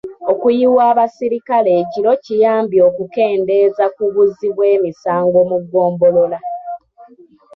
Okuyiwa abasirikale ekiro kiyambye okukendeeza ku buzzi bw'emisango mu ggombolola.